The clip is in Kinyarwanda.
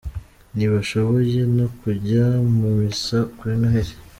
Ntibashoboye no kujya mu misa kuri Noheli.